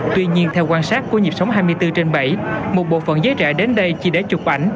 tuy nhiên theo quan sát của nhịp sóng hai mươi bốn trên bảy một bộ phần giấy trả đến đây chỉ để chụp ảnh